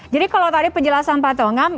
jadi kalau tadi penjelasan pak tongam